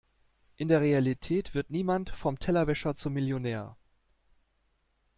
In der Realität wird niemand vom Tellerwäscher zum Millionär.